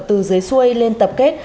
từ dưới xuây lên tập kết